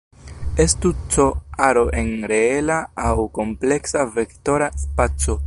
Estu "C" aro en reela aŭ kompleksa vektora spaco.